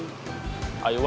ayuan nggak kesal